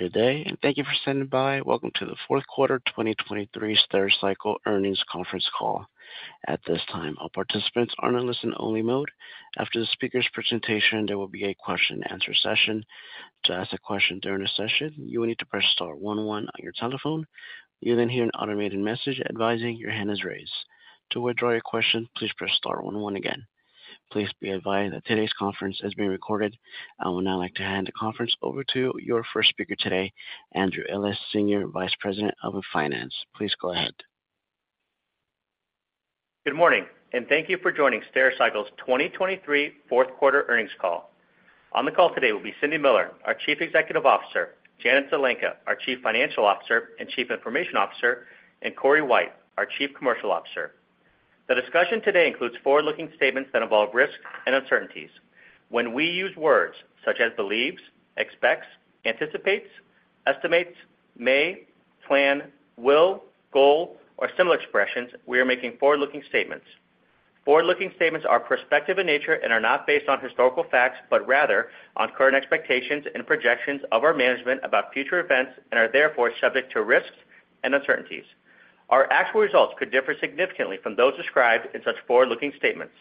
Good day, and thank you for standing by. Welcome to the fourth quarter 2023 Stericycle Earnings Conference Call. At this time, all participants are in a listen-only mode. After the speaker's presentation, there will be a question-and-answer session. To ask a question during the session, you will need to press star 11 on your telephone. You'll then hear an automated message advising your hand is raised. To withdraw your question, please press star 11 again. Please be advised that today's conference is being recorded. I would now like to hand the conference over to your first speaker today, Andrew Ellis, Senior Vice President of Finance. Please go ahead. Good morning, and thank you for joining Stericycle's 2023 fourth quarter earnings call. On the call today will be Cindy Miller, our Chief Executive Officer, Janet Zelenka, our Chief Financial Officer and Chief Information Officer, and Cory White, our Chief Commercial Officer. The discussion today includes forward-looking statements that involve risks and uncertainties. When we use words such as believes, expects, anticipates, estimates, may, plan, will, goal, or similar expressions, we are making forward-looking statements. Forward-looking statements are prospective in nature and are not based on historical facts but rather on current expectations and projections of our management about future events and are therefore subject to risks and uncertainties. Our actual results could differ significantly from those described in such forward-looking statements.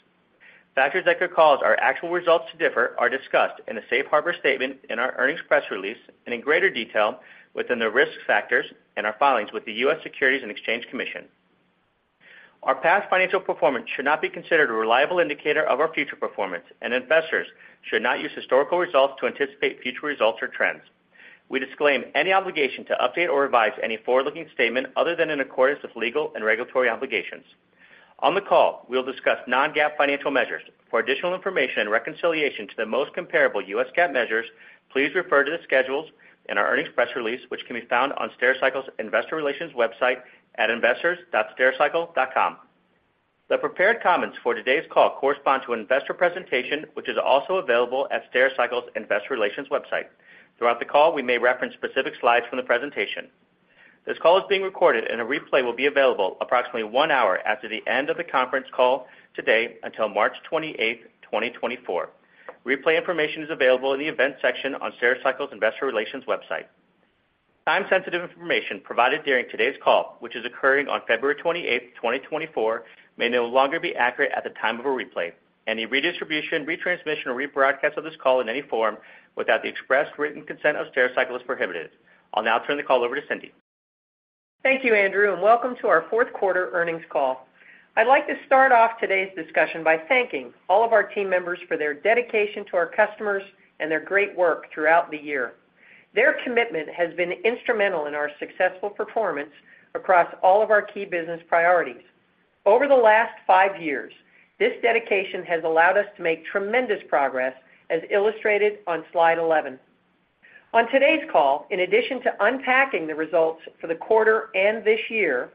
Factors that could cause our actual results to differ are discussed in a Safe Harbor Statement in our earnings press release and in greater detail within the Risk Factors and our filings with the U.S. Securities and Exchange Commission. Our past financial performance should not be considered a reliable indicator of our future performance, and investors should not use historical results to anticipate future results or trends. We disclaim any obligation to update or revise any forward-looking statement other than in accordance with legal and regulatory obligations. On the call, we will discuss non-GAAP financial measures. For additional information and reconciliation to the most comparable U.S. GAAP measures, please refer to the schedules in our earnings press release, which can be found on Stericycle's Investor Relations website at investors.stericycle.com. The prepared comments for today's call correspond to an investor presentation, which is also available at Stericycle's Investor Relations website. Throughout the call, we may reference specific slides from the presentation. This call is being recorded, and a replay will be available approximately one hour after the end of the conference call today until March 28, 2024. Replay information is available in the Events section on Stericycle's Investor Relations website. Time-sensitive information provided during today's call, which is occurring on February 28, 2024, may no longer be accurate at the time of a replay. Any redistribution, retransmission, or rebroadcast of this call in any form without the express written consent of Stericycle is prohibited. I'll now turn the call over to Cindy. Thank you, Andrew, and welcome to our fourth quarter earnings call. I'd like to start off today's discussion by thanking all of our team members for their dedication to our customers and their great work throughout the year. Their commitment has been instrumental in our successful performance across all of our key business priorities. Over the last five years, this dedication has allowed us to make tremendous progress, as illustrated on slide 11. On today's call, in addition to unpacking the results for the quarter and this year,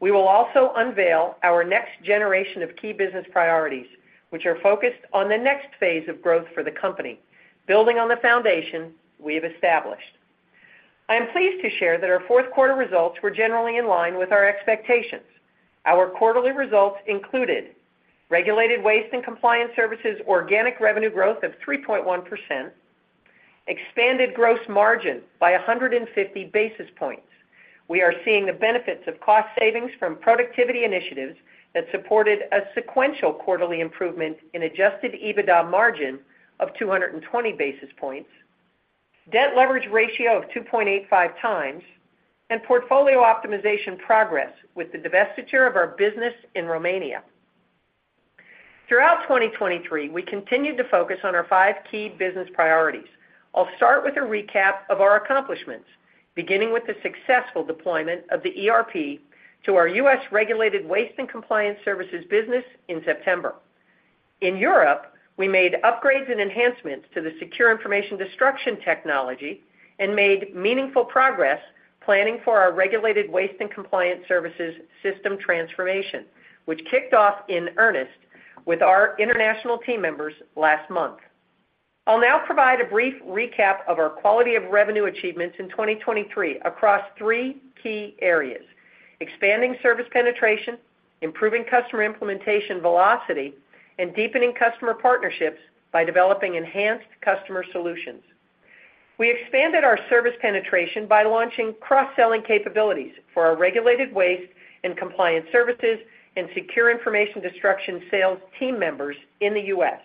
we will also unveil our next generation of key business priorities, which are focused on the next phase of growth for the company, building on the foundation we have established. I am pleased to share that our fourth quarter results were generally in line with our expectations. Our quarterly results included regulated waste and compliance services organic revenue growth of 3.1%, expanded gross margin by 150 basis points. We are seeing the benefits of cost savings from productivity initiatives that supported a sequential quarterly improvement in Adjusted EBITDA margin of 220 basis points, debt leverage ratio of 2.85 times, and portfolio optimization progress with the divestiture of our business in Romania. Throughout 2023, we continued to focus on our five key business priorities. I'll start with a recap of our accomplishments, beginning with the successful deployment of the ERP to our U.S. regulated waste and compliance services business in September. In Europe, we made upgrades and enhancements to the secure information destruction technology and made meaningful progress planning for our regulated waste and compliance services system transformation, which kicked off in earnest with our international team members last month. I'll now provide a brief recap of our quality of revenue achievements in 2023 across three key areas: expanding service penetration, improving customer implementation velocity, and deepening customer partnerships by developing enhanced customer solutions. We expanded our service penetration by launching cross-selling capabilities for our regulated waste and compliance services and secure information destruction sales team members in the U.S.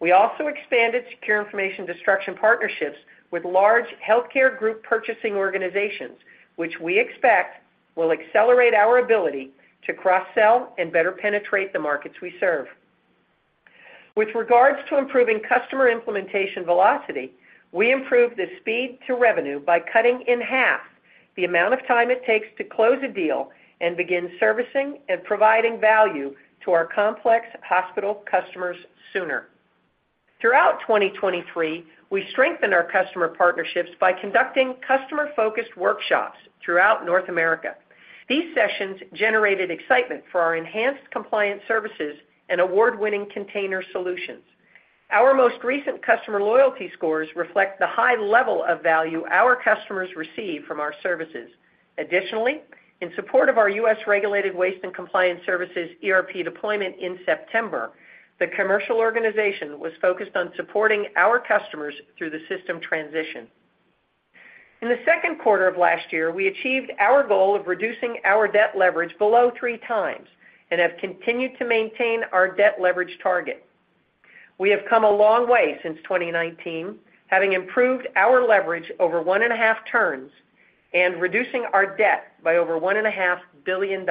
We also expanded secure information destruction partnerships with large healthcare group purchasing organizations, which we expect will accelerate our ability to cross-sell and better penetrate the markets we serve. With regards to improving customer implementation velocity, we improved the speed to revenue by cutting in half the amount of time it takes to close a deal and begin servicing and providing value to our complex hospital customers sooner. Throughout 2023, we strengthened our customer partnerships by conducting customer-focused workshops throughout North America. These sessions generated excitement for our enhanced compliance services and award-winning container solutions. Our most recent customer loyalty scores reflect the high level of value our customers receive from our services. Additionally, in support of our U.S. regulated waste and compliance services ERP deployment in September, the commercial organization was focused on supporting our customers through the system transition. In the second quarter of last year, we achieved our goal of reducing our debt leverage below 3x and have continued to maintain our debt leverage target. We have come a long way since 2019, having improved our leverage over 1.5 turns and reducing our debt by over $1.5 billion.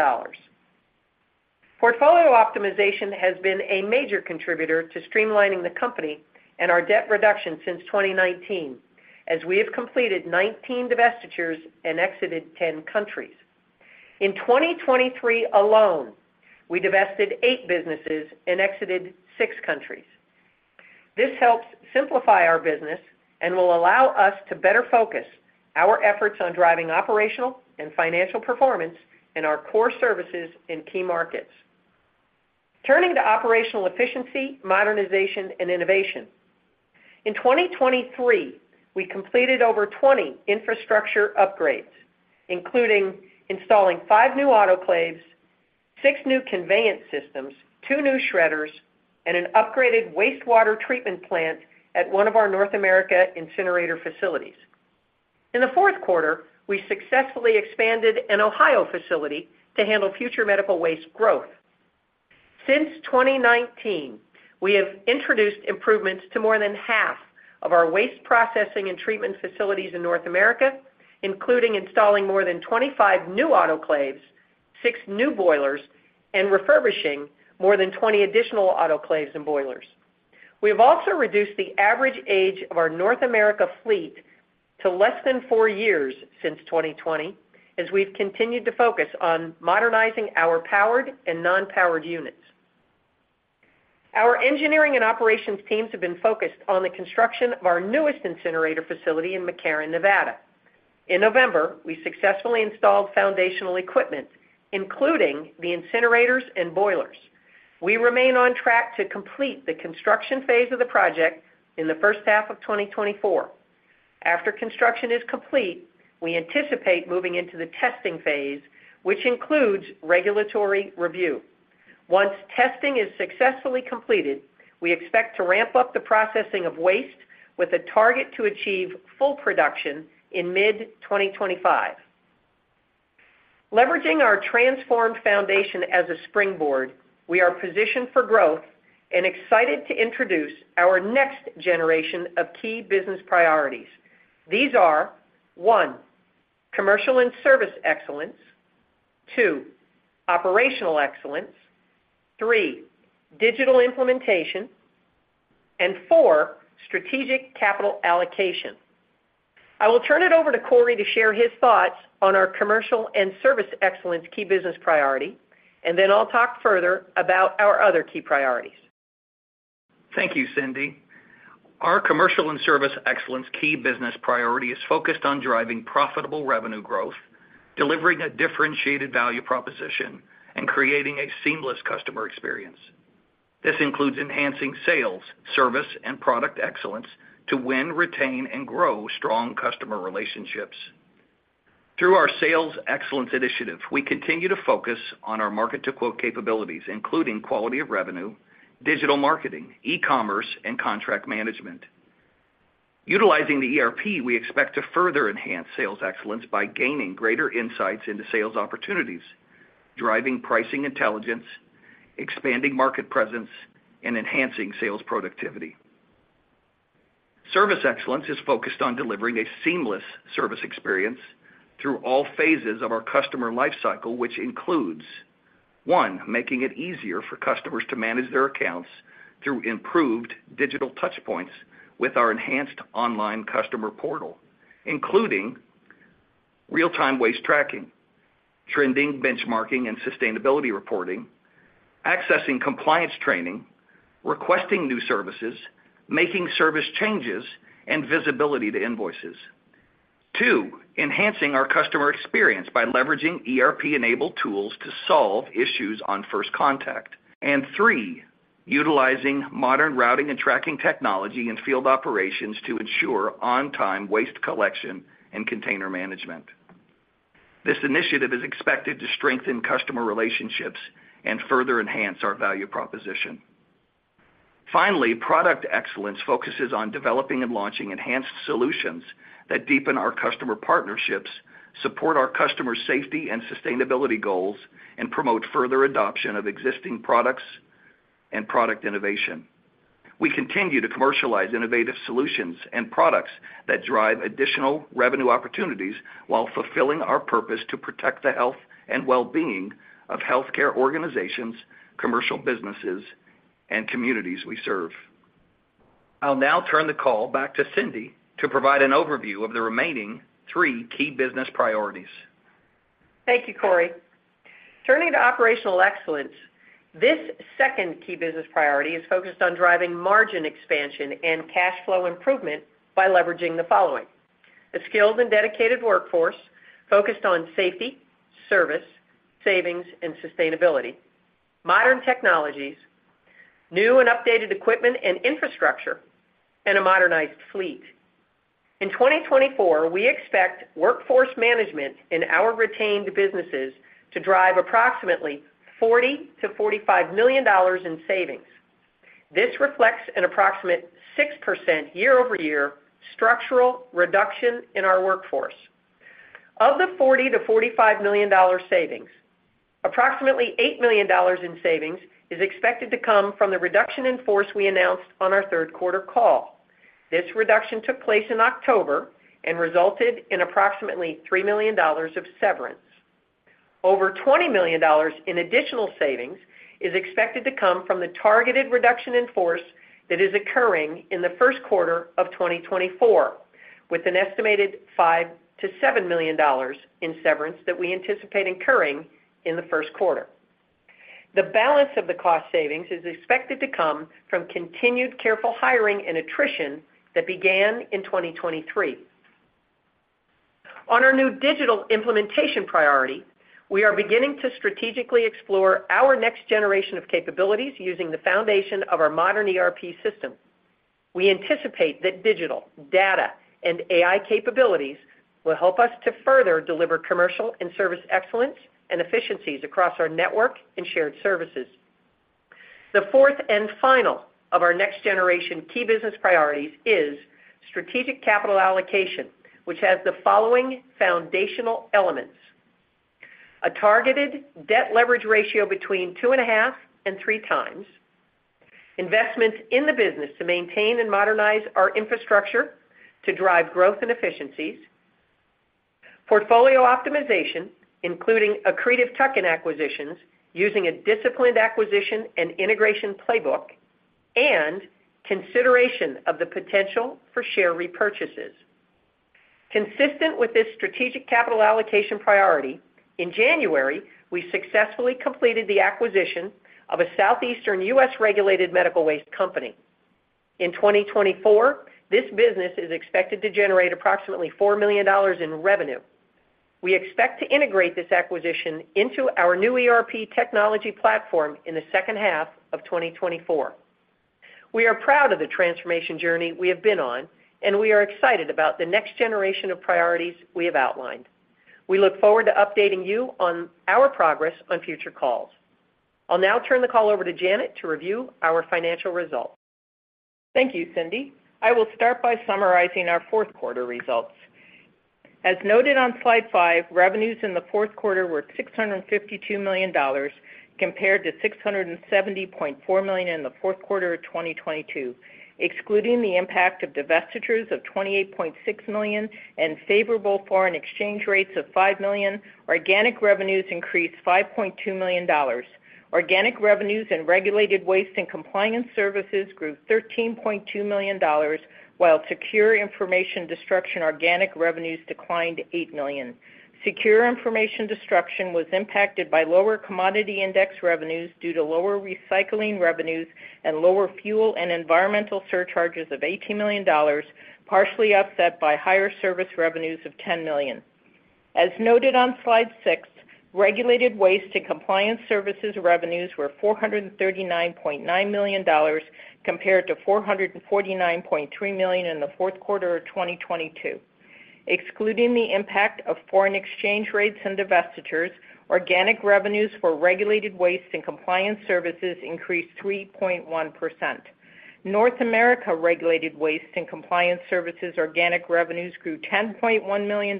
Portfolio optimization has been a major contributor to streamlining the company and our debt reduction since 2019, as we have completed 19 divestitures and exited 10 countries. In 2023 alone, we divested 8 businesses and exited 6 countries. This helps simplify our business and will allow us to better focus our efforts on driving operational and financial performance in our core services in key markets. Turning to operational efficiency, modernization, and innovation. In 2023, we completed over 20 infrastructure upgrades, including installing 5 new autoclaves, 6 new conveyance systems, 2 new shredders, and an upgraded wastewater treatment plant at one of our North America incinerator facilities. In the fourth quarter, we successfully expanded an Ohio facility to handle future medical waste growth. Since 2019, we have introduced improvements to more than half of our waste processing and treatment facilities in North America, including installing more than 25 new autoclaves, 6 new boilers, and refurbishing more than 20 additional autoclaves and boilers. We have also reduced the average age of our North America fleet to less than four years since 2020, as we've continued to focus on modernizing our powered and non-powered units. Our engineering and operations teams have been focused on the construction of our newest incinerator facility in McCarran, Nevada. In November, we successfully installed foundational equipment, including the incinerators and boilers. We remain on track to complete the construction phase of the project in the first half of 2024. After construction is complete, we anticipate moving into the testing phase, which includes regulatory review. Once testing is successfully completed, we expect to ramp up the processing of waste with a target to achieve full production in mid-2025. Leveraging our transformed foundation as a springboard, we are positioned for growth and excited to introduce our next generation of key business priorities. These are: 1. Commercial and service excellence. 2. Operational excellence. 3. Digital implementation. 4. Strategic capital allocation. I will turn it over to Cory to share his thoughts on our commercial and service excellence key business priority, and then I'll talk further about our other key priorities. Thank you, Cindy. Our commercial and service excellence key business priority is focused on driving profitable revenue growth, delivering a differentiated value proposition, and creating a seamless customer experience. This includes enhancing sales, service, and product excellence to win, retain, and grow strong customer relationships. Through our sales excellence initiative, we continue to focus on our market-to-quote capabilities, including quality of revenue, digital marketing, e-commerce, and contract management. Utilizing the ERP, we expect to further enhance sales excellence by gaining greater insights into sales opportunities, driving pricing intelligence, expanding market presence, and enhancing sales productivity. Service excellence is focused on delivering a seamless service experience through all phases of our customer lifecycle, which includes: 1. Making it easier for customers to manage their accounts through improved digital touchpoints with our enhanced online customer portal, including real-time waste tracking, trending benchmarking and sustainability reporting, accessing compliance training, requesting new services, making service changes, and visibility to invoices. 2. Enhancing our customer experience by leveraging ERP-enabled tools to solve issues on first contact. 3. Utilizing modern routing and tracking technology in field operations to ensure on-time waste collection and container management. This initiative is expected to strengthen customer relationships and further enhance our value proposition. Finally, product excellence focuses on developing and launching enhanced solutions that deepen our customer partnerships, support our customer safety and sustainability goals, and promote further adoption of existing products and product innovation. We continue to commercialize innovative solutions and products that drive additional revenue opportunities while fulfilling our purpose to protect the health and well-being of healthcare organizations, commercial businesses, and communities we serve. I'll now turn the call back to Cindy to provide an overview of the remaining three key business priorities. Thank you, Cory. Turning to operational excellence, this second key business priority is focused on driving margin expansion and cash flow improvement by leveraging the following: a skilled and dedicated workforce focused on safety, service, savings, and sustainability; modern technologies; new and updated equipment and infrastructure; and a modernized fleet. In 2024, we expect workforce management in our retained businesses to drive approximately $40-$45 million in savings. This reflects an approximate 6% year-over-year structural reduction in our workforce. Of the $40-$45 million savings, approximately $8 million in savings is expected to come from the reduction in force we announced on our third quarter call. This reduction took place in October and resulted in approximately $3 million of severance. Over $20 million in additional savings is expected to come from the targeted reduction in force that is occurring in the first quarter of 2024, with an estimated $5-$7 million in severance that we anticipate occurring in the first quarter. The balance of the cost savings is expected to come from continued careful hiring and attrition that began in 2023. On our new digital implementation priority, we are beginning to strategically explore our next generation of capabilities using the foundation of our modern ERP system. We anticipate that digital, data, and AI capabilities will help us to further deliver commercial and service excellence and efficiencies across our network and shared services. The fourth and final of our next generation key business priorities is strategic capital allocation, which has the following foundational elements: a targeted debt leverage ratio between 2.5 and 3 times. Investment in the business to maintain and modernize our infrastructure to drive growth and efficiencies. Portfolio optimization, including accretive tuck-in acquisitions using a disciplined acquisition and integration playbook. And consideration of the potential for share repurchases. Consistent with this strategic capital allocation priority, in January, we successfully completed the acquisition of a Southeastern U.S. regulated medical waste company. In 2024, this business is expected to generate approximately $4 million in revenue. We expect to integrate this acquisition into our new ERP technology platform in the second half of 2024. We are proud of the transformation journey we have been on, and we are excited about the next generation of priorities we have outlined. We look forward to updating you on our progress on future calls. I'll now turn the call over to Janet to review our financial results. Thank you, Cindy. I will start by summarizing our fourth quarter results. As noted on slide five, revenues in the fourth quarter were $652 million compared to $670.4 million in the fourth quarter of 2022. Excluding the impact of divestitures of $28.6 million and favorable foreign exchange rates of $5 million, organic revenues increased $5.2 million. Organic revenues in regulated waste and compliance services grew $13.2 million, while secure information destruction organic revenues declined $8 million. Secure information destruction was impacted by lower commodity index revenues due to lower recycling revenues and lower fuel and environmental surcharges of $18 million, partially offset by higher service revenues of $10 million. As noted on slide six, regulated waste and compliance services revenues were $439.9 million compared to $449.3 million in the fourth quarter of 2022. Excluding the impact of foreign exchange rates and divestitures, organic revenues for regulated waste and compliance services increased 3.1%. North America regulated waste and compliance services organic revenues grew $10.1 million,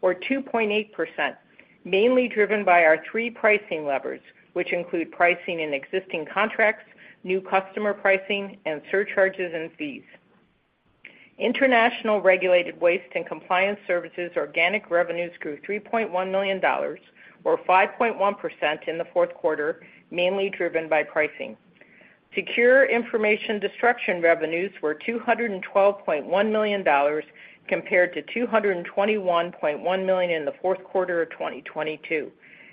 or 2.8%, mainly driven by our three pricing levers, which include pricing in existing contracts, new customer pricing, and surcharges and fees. International regulated waste and compliance services organic revenues grew $3.1 million, or 5.1%, in the fourth quarter, mainly driven by pricing. Secure Information Destruction revenues were $212.1 million compared to $221.1 million in the fourth quarter of 2022.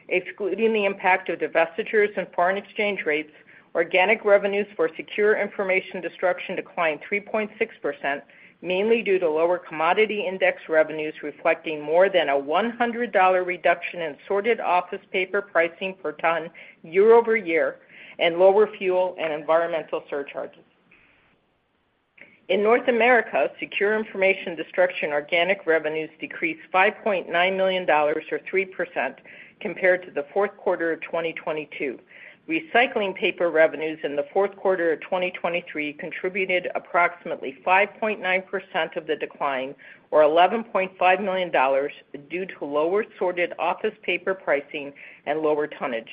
Excluding the impact of divestitures and foreign exchange rates, organic revenues for Secure Information Destruction declined 3.6%, mainly due to lower commodity index revenues reflecting more than a $100 reduction in Sorted Office Paper pricing per ton year-over-year and lower fuel and environmental surcharges. In North America, secure information destruction organic revenues decreased $5.9 million, or 3%, compared to the fourth quarter of 2022. Recycling paper revenues in the fourth quarter of 2023 contributed approximately 5.9% of the decline, or $11.5 million, due to lower sorted office paper pricing and lower tonnage.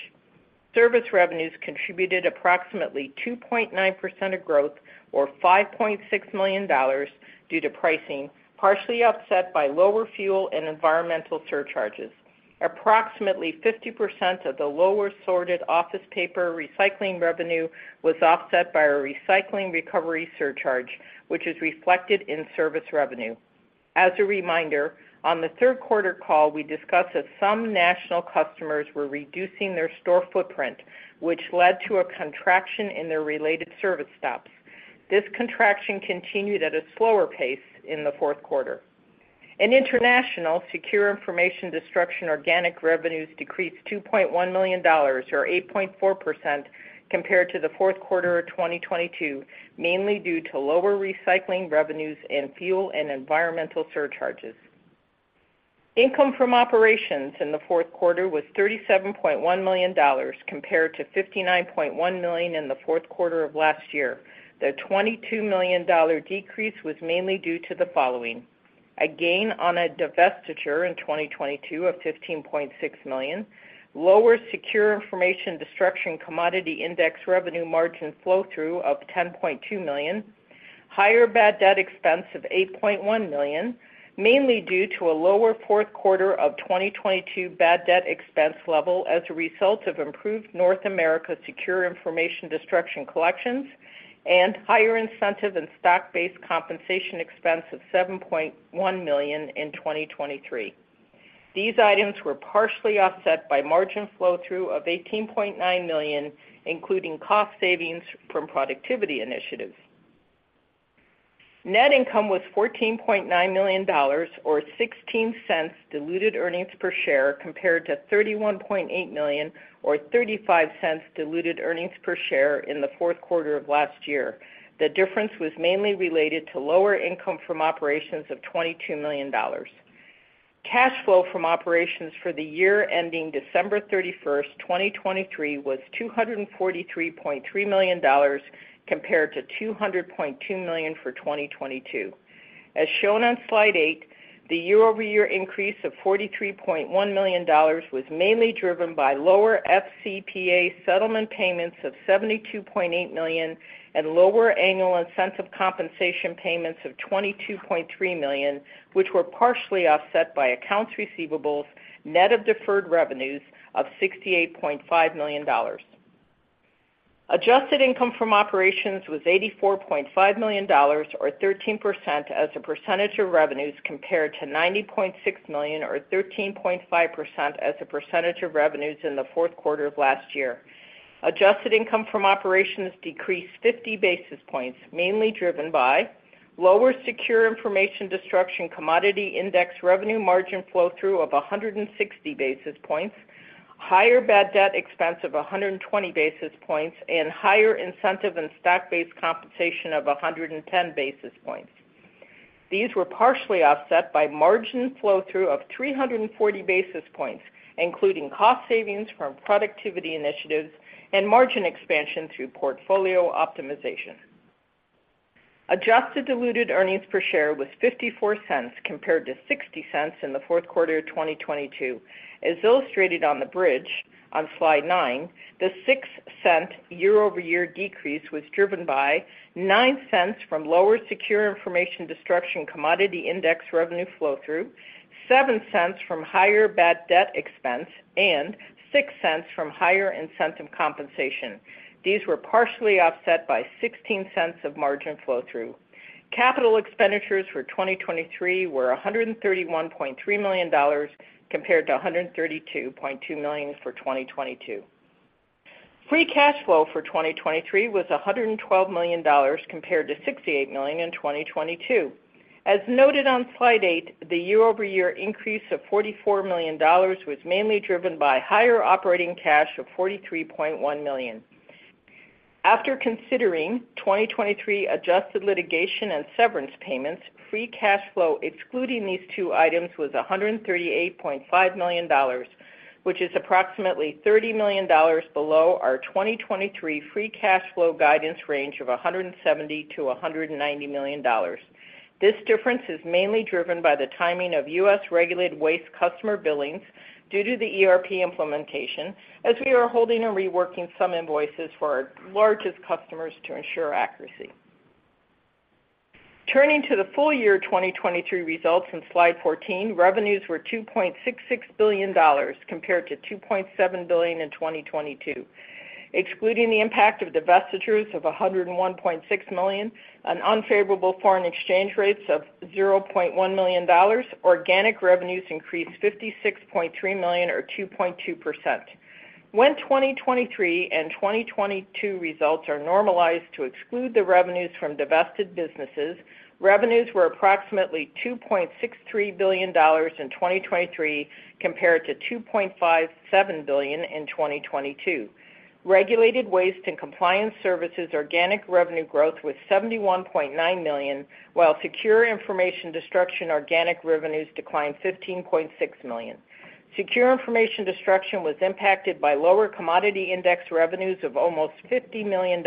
Service revenues contributed approximately 2.9% of growth, or $5.6 million, due to pricing, partially offset by lower fuel and environmental surcharges. Approximately 50% of the lower sorted office paper recycling revenue was offset by a recycling recovery surcharge, which is reflected in service revenue. As a reminder, on the third quarter call, we discussed that some national customers were reducing their store footprint, which led to a contraction in their related service stops. This contraction continued at a slower pace in the fourth quarter. In international, secure information destruction organic revenues decreased $2.1 million, or 8.4%, compared to the fourth quarter of 2022, mainly due to lower recycling revenues and fuel and environmental surcharges. Income from operations in the fourth quarter was $37.1 million compared to $59.1 million in the fourth quarter of last year. The $22 million decrease was mainly due to the following: a gain on a divestiture in 2022 of $15.6 million. Lower secure information destruction commodity index revenue margin flow-through of $10.2 million. Higher bad debt expense of $8.1 million, mainly due to a lower fourth quarter of 2022 bad debt expense level as a result of improved North America secure information destruction collections. And higher incentive and stock-based compensation expense of $7.1 million in 2023. These items were partially offset by margin flow-through of $18.9 million, including cost savings from productivity initiatives. Net income was $14.9 million, or $0.16 diluted earnings per share, compared to $31.8 million, or $0.35 diluted earnings per share in the fourth quarter of last year. The difference was mainly related to lower income from operations of $22 million. Cash flow from operations for the year ending December 31, 2023, was $243.3 million compared to $200.2 million for 2022. As shown on slide eight, the year-over-year increase of $43.1 million was mainly driven by lower FCPA settlement payments of $72.8 million and lower annual incentive compensation payments of $22.3 million, which were partially offset by accounts receivables net of deferred revenues of $68.5 million. Adjusted income from operations was $84.5 million, or 13% as a percentage of revenues compared to $90.6 million, or 13.5% as a percentage of revenues in the fourth quarter of last year. Adjusted income from operations decreased 50 basis points, mainly driven by: lower secure information destruction commodity index revenue margin flow-through of 160 basis points, higher bad debt expense of 120 basis points, and higher incentive and stock-based compensation of 110 basis points. These were partially offset by margin flow-through of 340 basis points, including cost savings from productivity initiatives and margin expansion through portfolio optimization. Adjusted diluted earnings per share was $0.54 compared to $0.60 in the fourth quarter of 2022. As illustrated on the bridge on slide nine, the $0.06 year-over-year decrease was driven by: $0.09 from lower secure information destruction commodity index revenue flow-through, $0.07 from higher bad debt expense, and $0.06 from higher incentive compensation. These were partially offset by $0.16 of margin flow-through. Capital expenditures for 2023 were $131.3 million compared to $132.2 million for 2022. free cash flow for 2023 was $112 million compared to $68 million in 2022. As noted on slide 8, the year-over-year increase of $44 million was mainly driven by higher operating cash of $43.1 million. After considering 2023 adjusted litigation and severance payments, free cash flow excluding these two items was $138.5 million, which is approximately $30 million below our 2023 free cash flow guidance range of $170-$190 million. This difference is mainly driven by the timing of U.S. regulated waste customer billings due to the ERP implementation, as we are holding and reworking some invoices for our largest customers to ensure accuracy. Turning to the full year 2023 results on slide 14, revenues were $2.66 billion compared to $2.7 billion in 2022. Excluding the impact of divestitures of $101.6 million and unfavorable foreign exchange rates of $0.1 million, organic revenues increased $56.3 million, or 2.2%. When 2023 and 2022 results are normalized to exclude the revenues from divested businesses, revenues were approximately $2.63 billion in 2023 compared to $2.57 billion in 2022. Regulated waste and compliance services organic revenue growth was $71.9 million, while secure information destruction organic revenues declined $15.6 million. Secure information destruction was impacted by lower commodity index revenues of almost $50 million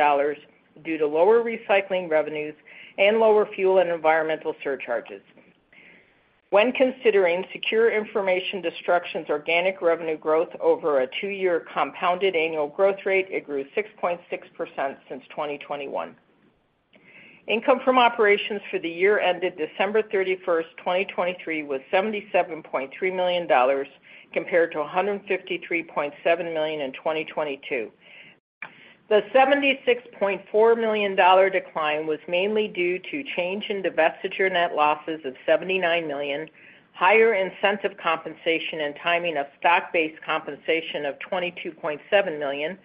due to lower recycling revenues and lower fuel and environmental surcharges. When considering secure information destruction organic revenue growth over a two-year compounded annual growth rate, it grew 6.6% since 2021. Income from operations for the year ended December 31, 2023, was $77.3 million compared to $153.7 million in 2022. The $76.4 million decline was mainly due to change in divestiture net losses of $79 million, higher incentive compensation and timing of stock-based compensation of $22.7 million,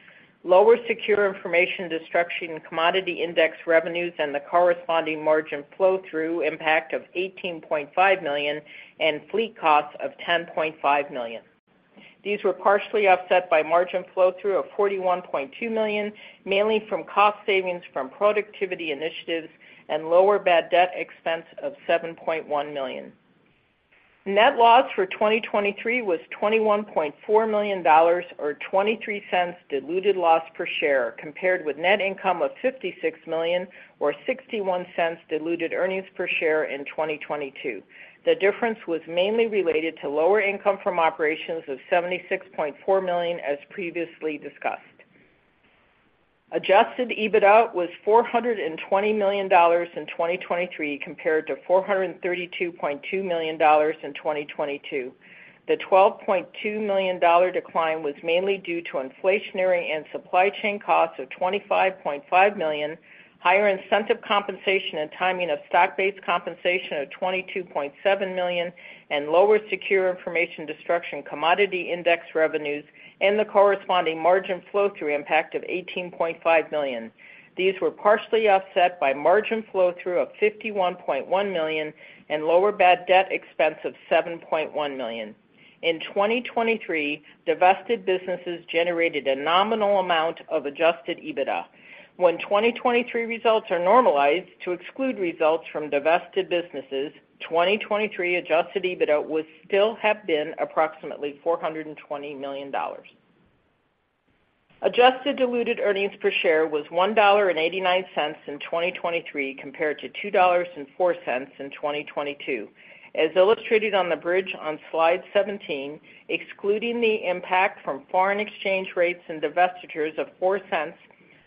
lower secure information destruction commodity index revenues and the corresponding margin flow-through impact of $18.5 million, and fleet costs of $10.5 million. These were partially offset by margin flow-through of $41.2 million, mainly from cost savings from productivity initiatives and lower bad debt expense of $7.1 million. Net loss for 2023 was $21.4 million, or $0.23 diluted loss per share, compared with net income of $56 million, or $0.61 diluted earnings per share in 2022. The difference was mainly related to lower income from operations of $76.4 million, as previously discussed. Adjusted EBITDA was $420 million in 2023 compared to $432.2 million in 2022. The $12.2 million decline was mainly due to inflationary and supply chain costs of $25.5 million, higher incentive compensation and timing of stock-based compensation of $22.7 million, and lower secure information destruction commodity index revenues and the corresponding margin flow-through impact of $18.5 million. These were partially offset by margin flow-through of $51.1 million and lower bad debt expense of $7.1 million. In 2023, divested businesses generated a nominal amount of Adjusted EBITDA. When 2023 results are normalized to exclude results from divested businesses, 2023 Adjusted EBITDA would still have been approximately $420 million. Adjusted diluted earnings per share was $1.89 in 2023 compared to $2.04 in 2022. As illustrated on the bridge on slide 17, excluding the impact from foreign exchange rates and divestitures of $0.04,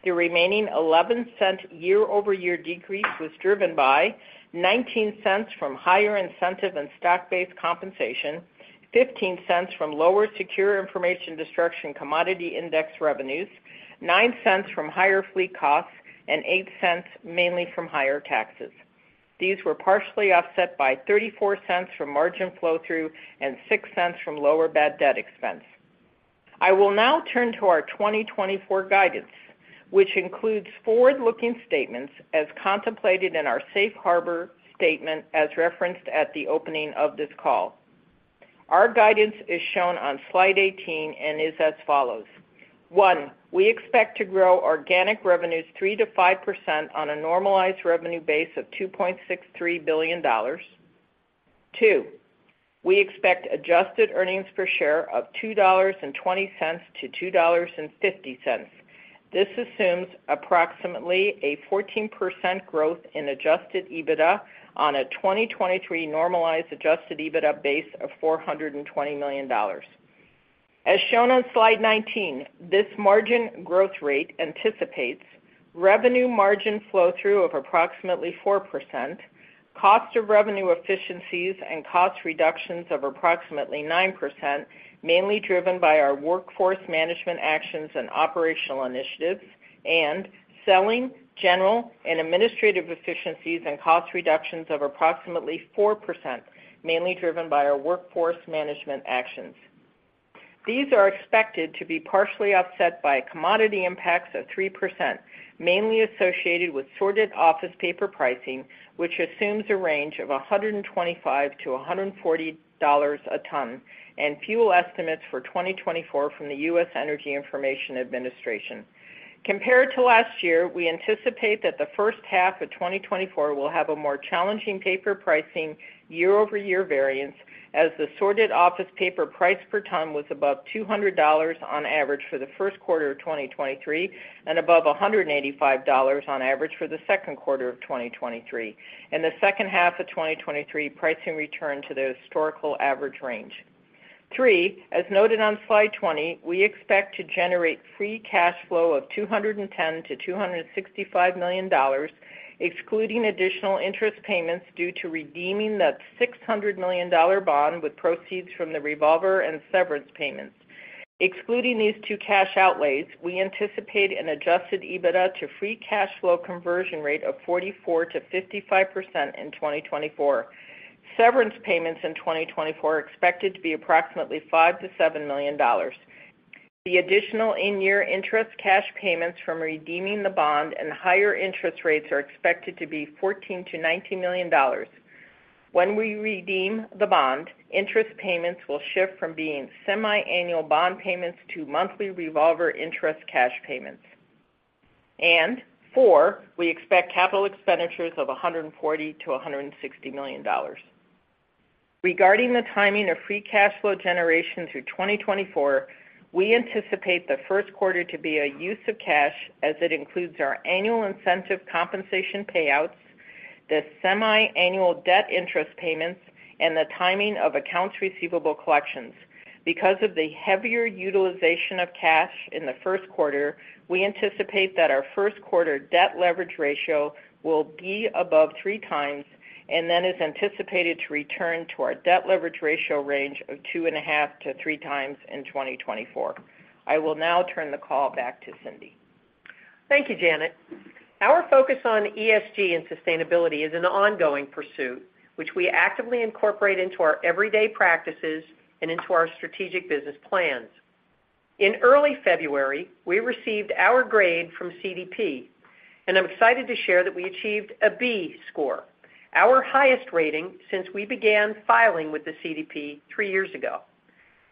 the remaining $0.11 year-over-year decrease was driven by: $0.19 from higher incentive and stock-based compensation, $0.15 from lower secure information destruction commodity index revenues, $0.09 from higher fleet costs, and $0.08 mainly from higher taxes. These were partially offset by $0.34 from margin flow-through and $0.06 from lower bad debt expense. I will now turn to our 2024 guidance, which includes forward-looking statements as contemplated in our Safe Harbor statement as referenced at the opening of this call. Our guidance is shown on slide 18 and is as follows: 1. We expect to grow organic revenues 3%-5% on a normalized revenue base of $2.63 billion. 2. We expect adjusted earnings per share of $2.20-$2.50. This assumes approximately a 14% growth in adjusted EBITDA on a 2023 normalized adjusted EBITDA base of $420 million. As shown on slide 19, this margin growth rate anticipates: revenue margin flow-through of approximately 4%; cost of revenue efficiencies and cost reductions of approximately 9%, mainly driven by our workforce management actions and operational initiatives; and selling, general, and administrative efficiencies and cost reductions of approximately 4%, mainly driven by our workforce management actions. These are expected to be partially offset by commodity impacts of 3%, mainly associated with sorted office paper pricing, which assumes a range of $125-$140 a ton, and fuel estimates for 2024 from the U.S. Energy Information Administration. Compared to last year, we anticipate that the first half of 2024 will have a more challenging paper pricing year-over-year variance, as the sorted office paper price per ton was above $200 on average for the first quarter of 2023 and above $185 on average for the second quarter of 2023, and the second half of 2023 pricing returned to the historical average range. 3. As noted on slide 20, we expect to generate free cash flow of $210-$265 million, excluding additional interest payments due to redeeming the $600 million bond with proceeds from the revolver and severance payments. Excluding these two cash outlays, we anticipate an Adjusted EBITDA to free cash flow conversion rate of 44%-55% in 2024. Severance payments in 2024 are expected to be approximately $5-$7 million. The additional in-year interest cash payments from redeeming the bond and higher interest rates are expected to be $14-$19 million. When we redeem the bond, interest payments will shift from being semi-annual bond payments to monthly revolver interest cash payments. 4. We expect capital expenditures of $140-$160 million. Regarding the timing of free cash flow generation through 2024, we anticipate the first quarter to be a use of cash as it includes our annual incentive compensation payouts, the semi-annual debt interest payments, and the timing of accounts receivable collections. Because of the heavier utilization of cash in the first quarter, we anticipate that our first quarter debt leverage ratio will be above 3 times and then is anticipated to return to our debt leverage ratio range of 2.5-3 times in 2024. I will now turn the call back to Cindy. Thank you, Janet. Our focus on ESG and sustainability is an ongoing pursuit, which we actively incorporate into our everyday practices and into our strategic business plans. In early February, we received our grade from CDP, and I'm excited to share that we achieved a B score, our highest rating since we began filing with the CDP three years ago.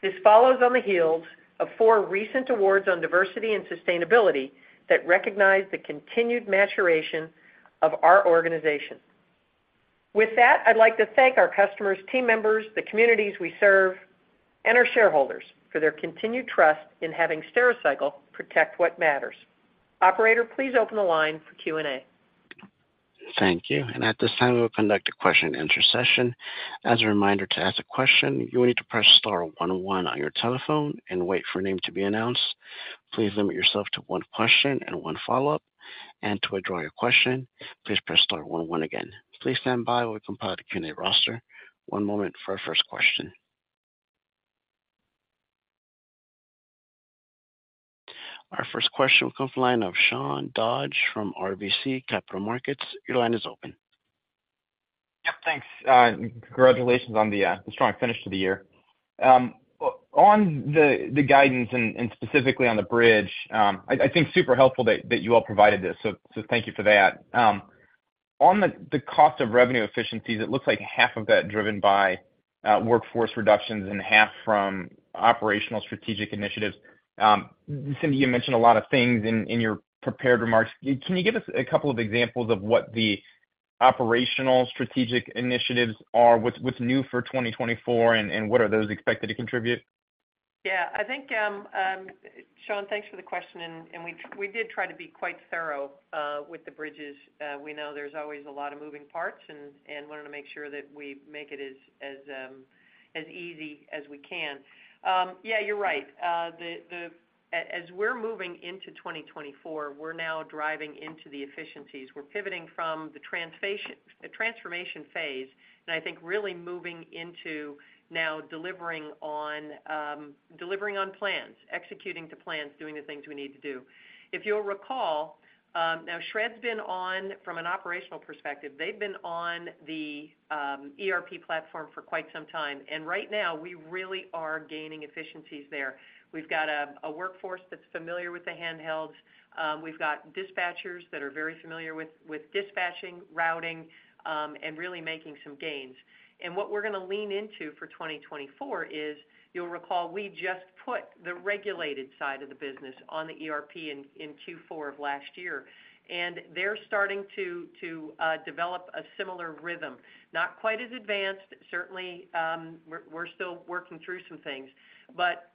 This follows on the heels of four recent awards on diversity and sustainability that recognize the continued maturation of our organization. With that, I'd like to thank our customers, team members, the communities we serve, and our shareholders for their continued trust in having Stericycle protect what matters. Operator, please open the line for Q&A. Thank you. At this time, we will conduct a question-and-answer session. As a reminder, to ask a question, you will need to press star 11 on your telephone and wait for a name to be announced. Please limit yourself to one question and one follow-up. To withdraw your question, please press star 11 again. Please stand by while we compile the Q&A roster. One moment for our first question. Our first question will come from the line of Sean Dodge from RBC Capital Markets. Your line is open. Yep, thanks. Congratulations on the strong finish to the year. On the guidance and specifically on the bridge, I think super helpful that you all provided this, so thank you for that. On the cost of revenue efficiencies, it looks like half of that driven by workforce reductions and half from operational strategic initiatives. Cindy, you mentioned a lot of things in your prepared remarks. Can you give us a couple of examples of what the operational strategic initiatives are, what's new for 2024, and what are those expected to contribute? Yeah. I think, Sean, thanks for the question. And we did try to be quite thorough with the bridges. We know there's always a lot of moving parts and wanted to make sure that we make it as easy as we can. Yeah, you're right. As we're moving into 2024, we're now driving into the efficiencies. We're pivoting from the transformation phase and I think really moving into now delivering on plans, executing to plans, doing the things we need to do. If you'll recall, now, Shred-it's been on from an operational perspective. They've been on the ERP platform for quite some time. And right now, we really are gaining efficiencies there. We've got a workforce that's familiar with the handhelds. We've got dispatchers that are very familiar with dispatching, routing, and really making some gains. And what we're going to lean into for 2024 is, you'll recall, we just put the regulated side of the business on the ERP in Q4 of last year. And they're starting to develop a similar rhythm. Not quite as advanced. Certainly, we're still working through some things. But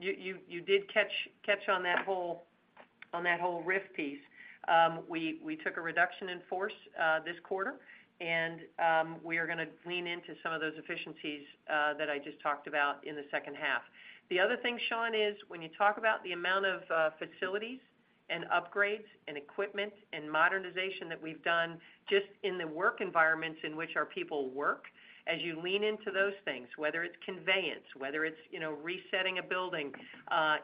you did catch on that whole RIF piece. We took a reduction in force this quarter, and we are going to lean into some of those efficiencies that I just talked about in the second half. The other thing, Sean, is when you talk about the amount of facilities and upgrades and equipment and modernization that we've done just in the work environments in which our people work, as you lean into those things, whether it's conveyance, whether it's resetting a building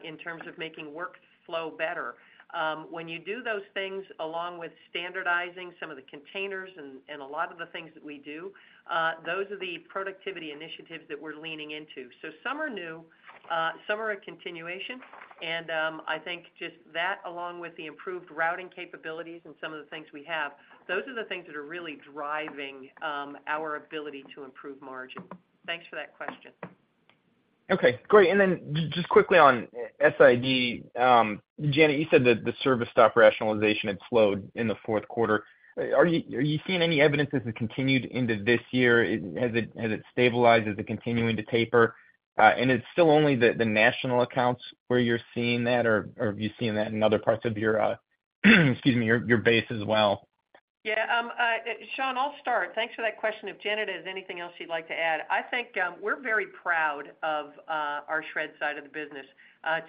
in terms of making workflow better, when you do those things along with standardizing some of the containers and a lot of the things that we do, those are the productivity initiatives that we're leaning into. So some are new. Some are a continuation. And I think just that, along with the improved routing capabilities and some of the things we have, those are the things that are really driving our ability to improve margin. Thanks for that question. Okay. Great. And then just quickly on SID, Janet, you said that the service stop rationalization, it slowed in the fourth quarter. Are you seeing any evidence this has continued into this year? Has it stabilized? Is it continuing to taper? And is it still only the national accounts where you're seeing that, or have you seen that in other parts of your excuse me, your base as well? Yeah. Sean, I'll start. Thanks for that question. If Janet has anything else she'd like to add, I think we're very proud of our Shred side of the business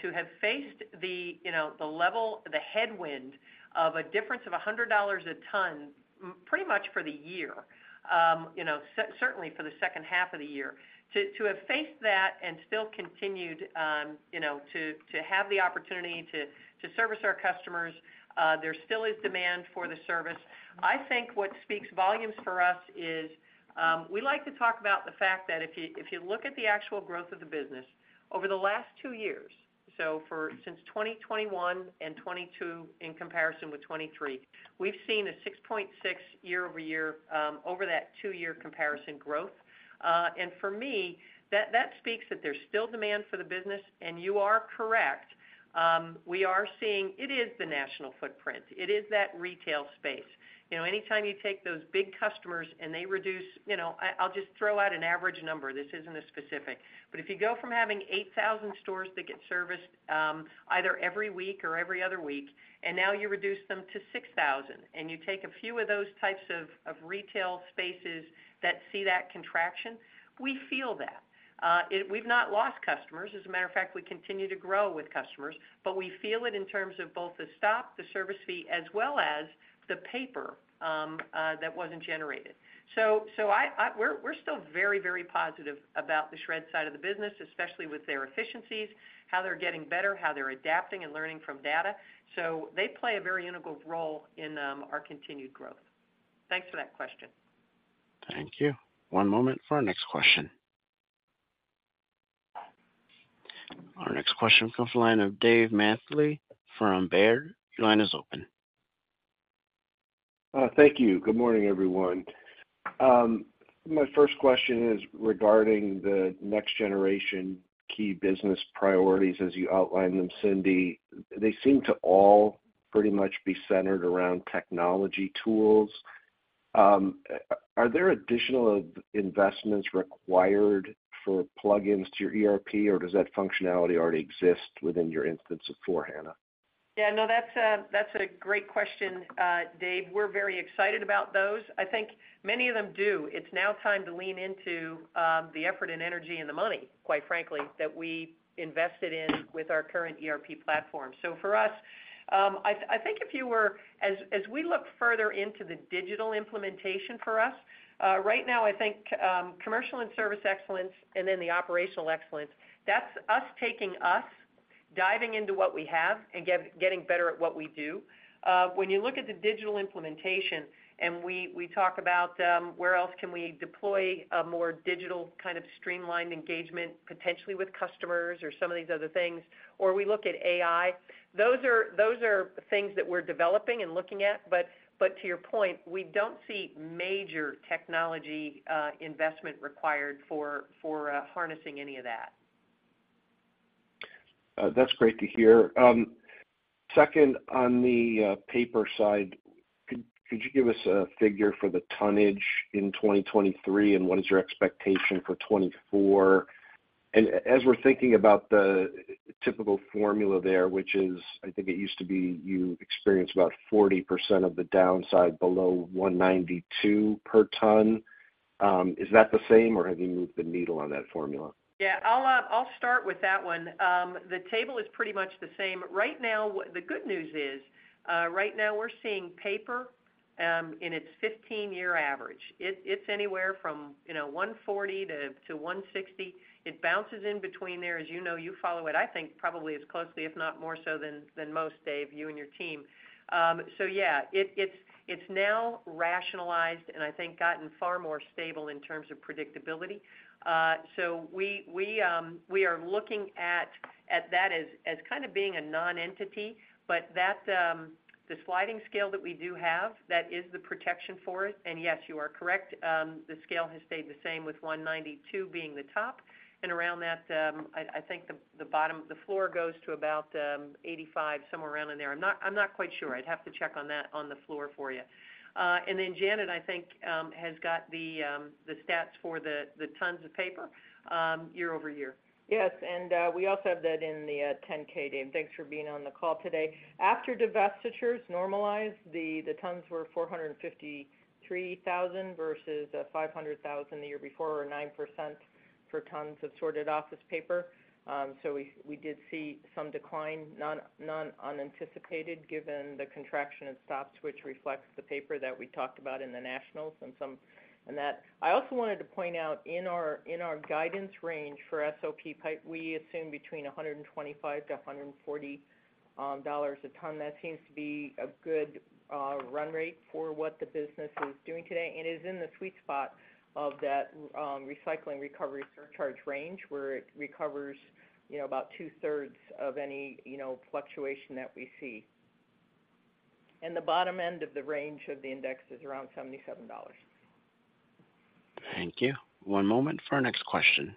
to have faced the headwind of a difference of $100 a ton pretty much for the year, certainly for the second half of the year, to have faced that and still continued to have the opportunity to service our customers. There still is demand for the service. I think what speaks volumes for us is we like to talk about the fact that if you look at the actual growth of the business over the last two years, so since 2021 and 2022 in comparison with 2023, we've seen a 6.6 year-over-year over that two-year comparison growth. And for me, that speaks that there's still demand for the business. And you are correct. We are seeing it is the national footprint. It is that retail space. Anytime you take those big customers and they reduce I'll just throw out an average number. This isn't a specific. But if you go from having 8,000 stores that get serviced either every week or every other week, and now you reduce them to 6,000, and you take a few of those types of retail spaces that see that contraction, we feel that. We've not lost customers. As a matter of fact, we continue to grow with customers. But we feel it in terms of both the stop, the service fee, as well as the paper that wasn't generated. So we're still very, very positive about the Shred side of the business, especially with their efficiencies, how they're getting better, how they're adapting and learning from data. So they play a very integral role in our continued growth. Thanks for that question. Thank you. One moment for our next question. Our next question comes from the line of Dave Manthey from Baird. Your line is open. Thank you. Good morning, everyone. My first question is regarding the next-generation key business priorities as you outline them, Cindy. They seem to all pretty much be centered around technology tools. Are there additional investments required for plug-ins to your ERP, or does that functionality already exist within your instance of S/4HANA? Yeah. No, that's a great question, Dave. We're very excited about those. I think many of them do. It's now time to lean into the effort and energy and the money, quite frankly, that we invested in with our current ERP platform. So for us, I think if you were as we look further into the digital implementation for us, right now, I think commercial and service excellence and then the operational excellence, that's us taking us, diving into what we have, and getting better at what we do. When you look at the digital implementation and we talk about where else can we deploy a more digital kind of streamlined engagement, potentially with customers or some of these other things, or we look at AI, those are things that we're developing and looking at. But to your point, we don't see major technology investment required for harnessing any of that. That's great to hear. Second, on the paper side, could you give us a figure for the tonnage in 2023, and what is your expectation for 2024? And as we're thinking about the typical formula there, which is I think it used to be you experienced about 40% of the downside below $192 per ton. Is that the same, or have you moved the needle on that formula? Yeah. I'll start with that one. The table is pretty much the same. Right now, the good news is right now, we're seeing paper in its 15-year average. It's anywhere from 140-160. It bounces in between there. As you know, you follow it, I think, probably as closely, if not more so than most, Dave, you and your team. So yeah, it's now rationalized and I think gotten far more stable in terms of predictability. So we are looking at that as kind of being a non-entity. But the sliding scale that we do have, that is the protection for it. And yes, you are correct. The scale has stayed the same, with 192 being the top. And around that, I think the floor goes to about 85, somewhere around in there. I'm not quite sure. I'd have to check on that on the floor for you. And then Janet, I think, has got the stats for the tons of paper year-over-year. Yes. And we also have that in the 10-K, Dave. Thanks for being on the call today. After divestitures normalized, the tons were 453,000 versus 500,000 the year before, or 9% for tons of sorted office paper. So we did see some decline, non-unanticipated, given the contraction and stops, which reflects the paper that we talked about in the nationals and that. I also wanted to point out, in our guidance range for SOP, we assume between $125-$140 a ton. That seems to be a good run rate for what the business is doing today. And it is in the sweet spot of that recycling, recovery, surcharge range, where it recovers about two-thirds of any fluctuation that we see. The bottom end of the range of the index is around $77. Thank you. One moment for our next question.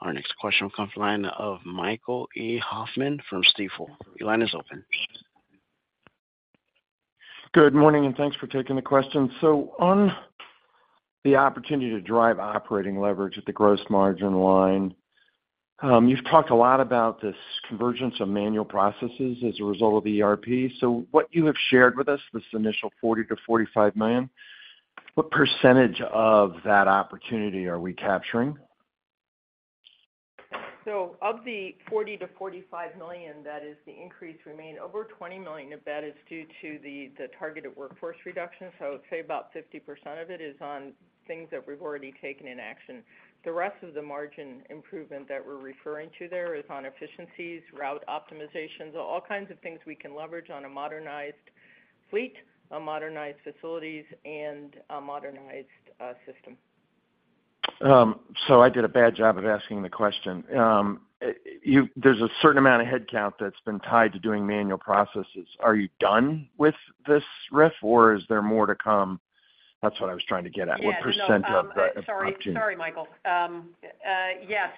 Our next question will come from the line of Michael E. Hoffman from Stifel. Your line is open. Good morning, and thanks for taking the question. So on the opportunity to drive operating leverage at the gross margin line, you've talked a lot about this convergence of manual processes as a result of the ERP. So what you have shared with us, this initial $40 million-$45 million, what percentage of that opportunity are we capturing? So of the $40 million-$45 million that is the increase remaining, over $20 million of that is due to the targeted workforce reduction. So I would say about 50% of it is on things that we've already taken in action. The rest of the margin improvement that we're referring to there is on efficiencies, route optimizations, all kinds of things we can leverage on a modernized fleet, modernized facilities, and a modernized system. So I did a bad job of asking the question. There's a certain amount of headcount that's been tied to doing manual processes. Are you done with this RIF, or is there more to come? That's what I was trying to get at. What percent of the opportunity? Yeah. No. I'm sorry. Sorry, Michael. Yes.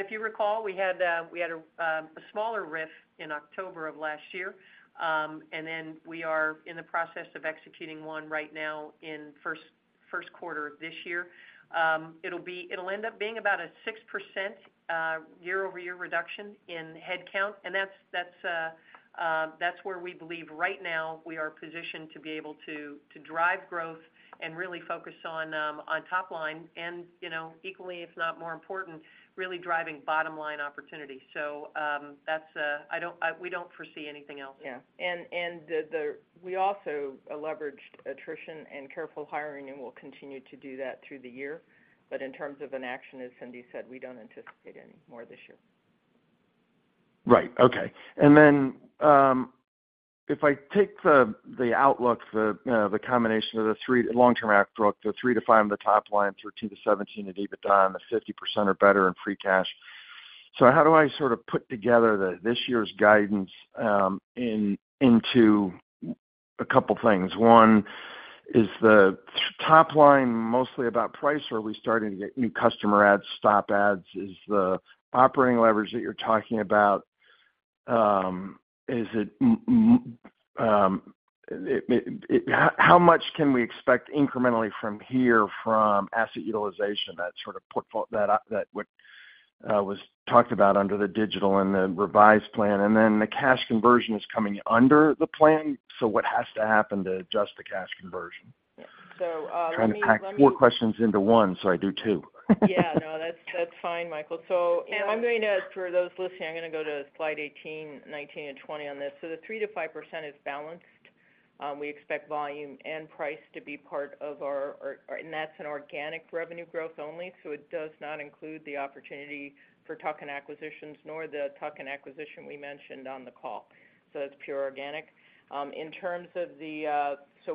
If you recall, we had a smaller RIF in October of last year. And then we are in the process of executing one right now in first quarter of this year. It'll end up being about a 6% year-over-year reduction in headcount. And that's where we believe right now we are positioned to be able to drive growth and really focus on top line and, equally, if not more important, really driving bottom line opportunity. So we don't foresee anything else. Yeah. And we also leveraged attrition and careful hiring and will continue to do that through the year. But in terms of an action, as Cindy said, we don't anticipate any more this year. Right. Okay. And then if I take the outlook, the combination of the long-term outlook, the 3-5 on the top line, 13-17 at EBITDA, and the 50% are better in free cash. So how do I sort of put together this year's guidance into a couple of things? One, is the top line mostly about price, or are we starting to get new customer adds, stop adds? Is the operating leverage that you're talking about, is it how much can we expect incrementally from here from asset utilization, that sort of portfolio that was talked about under the digital and the revised plan? And then the cash conversion is coming under the plan. So what has to happen to adjust the cash conversion? Yeah. So let me. Trying to pack four questions into one, so I do two. Yeah. No, that's fine, Michael. So I'm going to ask for those listening. I'm going to go to slide 18, 19, and 20 on this. So the 3%-5% is balanced. We expect volume and price to be part of our and that's an organic revenue growth only. So it does not include the opportunity for tuck-in acquisitions nor the tuck-in acquisition we mentioned on the call. So that's pure organic. In terms of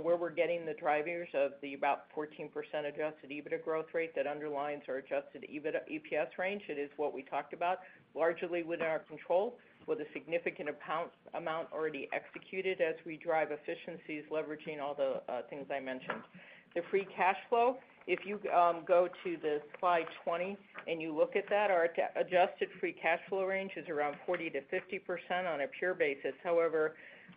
where we're getting the drivers of about 14% Adjusted EBITDA growth rate that underlines our adjusted EPS range, it is what we talked about, largely within our control, with a significant amount already executed as we drive efficiencies leveraging all the things I mentioned. The free cash flow, if you go to Slide 20 and you look at that, our adjusted free cash flow range is around 40%-50% on a pure basis. However,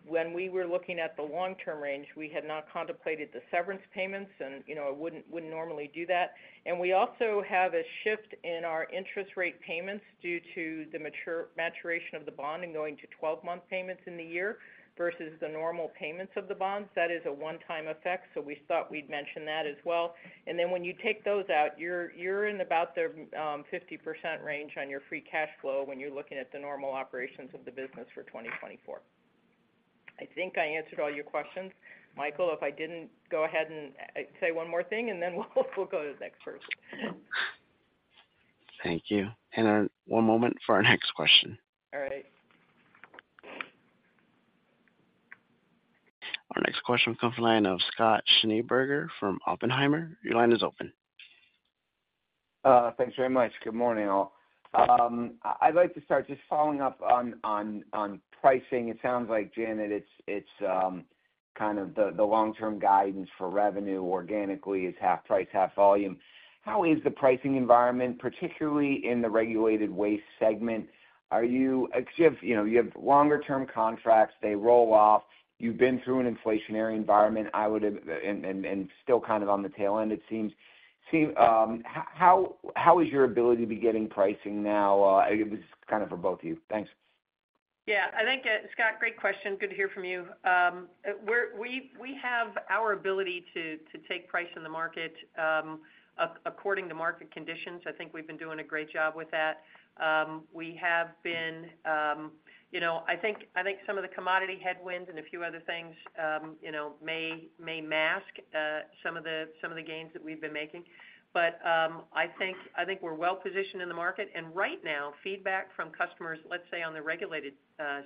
when we were looking at the long-term range, we had not contemplated the severance payments, and I wouldn't normally do that. And we also have a shift in our interest rate payments due to the maturation of the bond and going to 12-month payments in the year versus the normal payments of the bonds. That is a one-time effect. So we thought we'd mention that as well. And then when you take those out, you're in about the 50% range on your free cash flow when you're looking at the normal operations of the business for 2024. I think I answered all your questions, Michael, if I didn't. Go ahead and say one more thing, and then we'll go to the next person. Thank you. One moment for our next question. Our next question comes from the line of Scott Schneeberger from Oppenheimer. Your line is open. Thanks very much. Good morning, all. I'd like to start just following up on pricing. It sounds like, Janet, it's kind of the long-term guidance for revenue organically is half price, half volume. How is the pricing environment, particularly in the regulated waste segment? Because you have longer-term contracts. They roll off. You've been through an inflationary environment, I would have and still kind of on the tail end, it seems. How is your ability to be getting pricing now? It was kind of for both of you. Thanks. Yeah. I think, Scott, great question. Good to hear from you. We have our ability to take price in the market according to market conditions. I think we've been doing a great job with that. We have been. I think some of the commodity headwinds and a few other things may mask some of the gains that we've been making. But I think we're well-positioned in the market. Right now, feedback from customers, let's say, on the regulated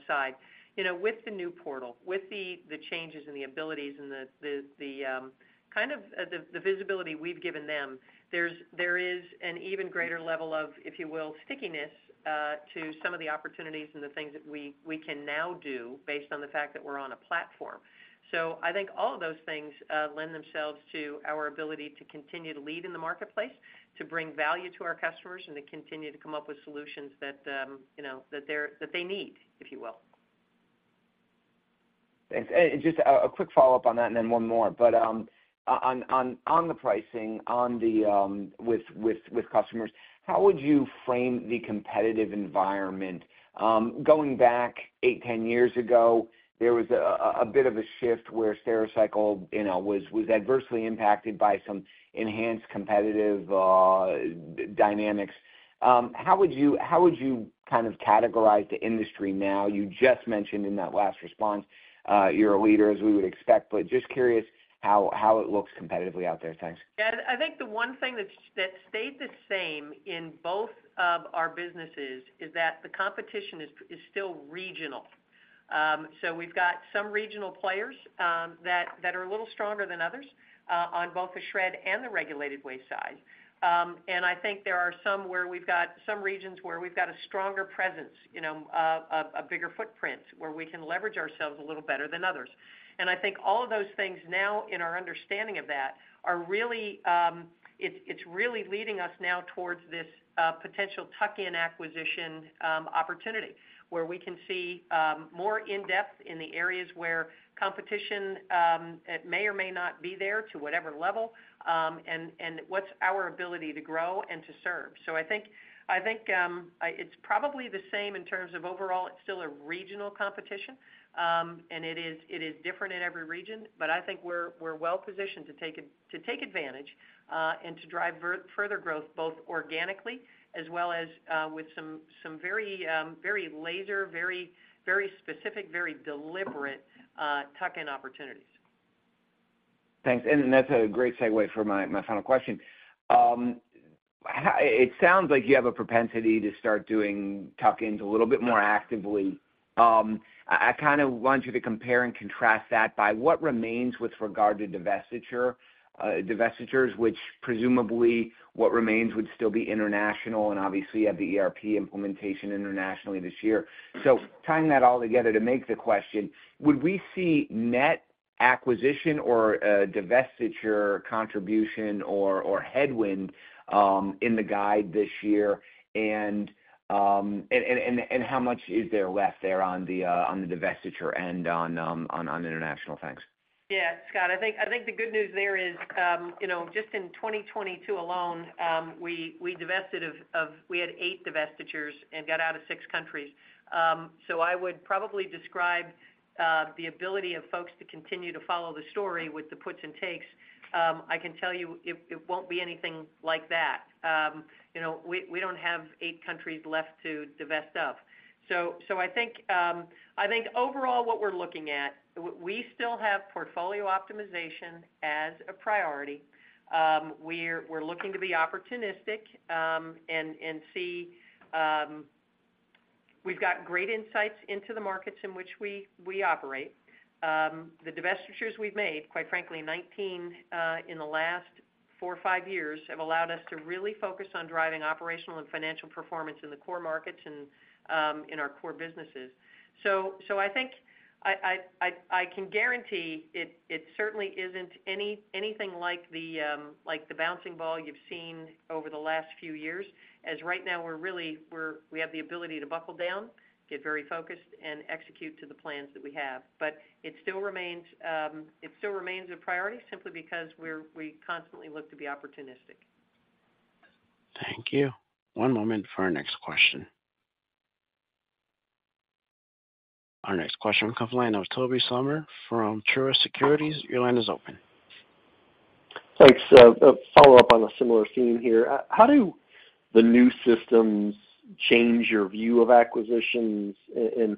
side, with the new portal, with the changes in the abilities and the kind of the visibility we've given them, there is an even greater level of, if you will, stickiness to some of the opportunities and the things that we can now do based on the fact that we're on a platform. So I think all of those things lend themselves to our ability to continue to lead in the marketplace, to bring value to our customers, and to continue to come up with solutions that they need, if you will. Thanks. And just a quick follow-up on that, and then one more. But on the pricing with customers, how would you frame the competitive environment? Going back 8, 10 years ago, there was a bit of a shift where Stericycle was adversely impacted by some enhanced competitive dynamics. How would you kind of categorize the industry now? You just mentioned in that last response, you're a leader, as we would expect. But just curious how it looks competitively out there. Thanks. Yeah. I think the one thing that's stayed the same in both of our businesses is that the competition is still regional. So we've got some regional players that are a little stronger than others on both the shred and the regulated waste side. And I think there are some where we've got some regions where we've got a stronger presence, a bigger footprint, where we can leverage ourselves a little better than others. And I think all of those things now, in our understanding of that, are really it's really leading us now towards this potential tuck-in acquisition opportunity, where we can see more in-depth in the areas where competition may or may not be there to whatever level and what's our ability to grow and to serve. So I think it's probably the same in terms of overall. It's still a regional competition, and it is different in every region. But I think we're well-positioned to take advantage and to drive further growth both organically as well as with some very laser, very specific, very deliberate tuck-in opportunities. Thanks. And that's a great segue for my final question. It sounds like you have a propensity to start doing tuck-ins a little bit more actively. I kind of want you to compare and contrast that by what remains with regard to divestitures, which presumably what remains would still be international and obviously have the ERP implementation internationally this year. So tying that all together to make the question, would we see net acquisition or divestiture contribution or headwind in the guide this year? And how much is there left there on the divestiture end on international? Thanks. Yeah, Scott. I think the good news there is, just in 2022 alone, we divested of we had eight divestitures and got out of six countries. So I would probably describe the ability of folks to continue to follow the story with the puts and takes. I can tell you it won't be anything like that. We don't have eight countries left to divest of. So I think overall, what we're looking at, we still have portfolio optimization as a priority. We're looking to be opportunistic and see we've got great insights into the markets in which we operate. The divestitures we've made, quite frankly, 19 in the last four or five years have allowed us to really focus on driving operational and financial performance in the core markets and in our core businesses. So I think I can guarantee it certainly isn't anything like the bouncing ball you've seen over the last few years, as right now, we have the ability to buckle down, get very focused, and execute to the plans that we have. But it still remains a priority simply because we constantly look to be opportunistic. Thank you. One moment for our next question. Our next question comes from the line of Toby Sommer from Truist Securities. Your line is open. Thanks. A follow-up on a similar theme here. How do the new systems change your view of acquisitions, and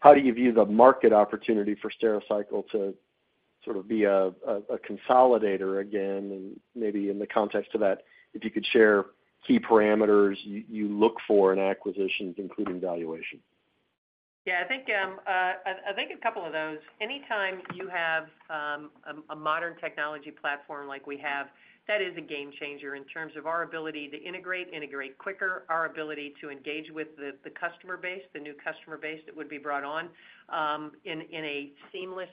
how do you view the market opportunity for Stericycle to sort of be a consolidator again? And maybe in the context of that, if you could share key parameters you look for in acquisitions, including valuation. Yeah. I think a couple of those. Anytime you have a modern technology platform like we have, that is a game changer in terms of our ability to integrate, integrate quicker, our ability to engage with the customer base, the new customer base that would be brought on in a seamless